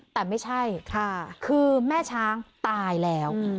แต่ไม่ใช่คือแม่ช้างตายแล้ว